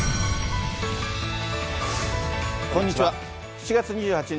７月２８日